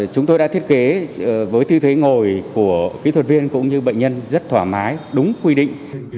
chúng tôi đã thiết kế với tư thế ngồi của kỹ thuật viên cũng như bệnh nhân rất thoải mái đúng quy định